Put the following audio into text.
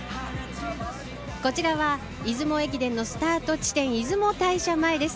こちらは出雲駅伝のスタート地点、出雲大社前です。